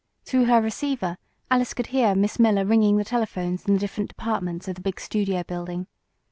Through her receiver Alice could hear Miss Miller ringing the telephones in the different departments of the big studio building.